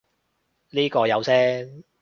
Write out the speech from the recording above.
呢個有聲